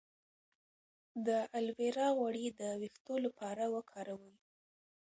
د الوویرا غوړي د ویښتو لپاره وکاروئ